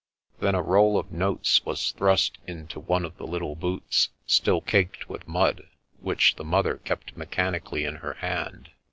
Then a roll of notes was thrust into one of the little boots, still caked with mud, which the mother kept mechanically in her hand.